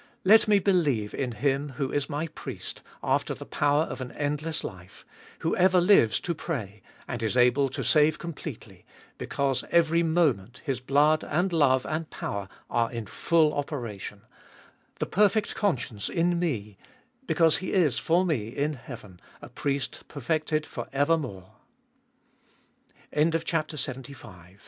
Let me believe in Him who is my Priest, after the power of an endless life, who ever Hues to pray, and is able to save completely, because every moment His blood and love and power are in full operation,— the perfect conscience in me, because He is for me in heaven, a Priest perfected for evermor